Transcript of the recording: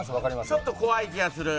ちょっと怖い気がする。